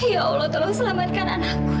ya allah tolong selamatkan anak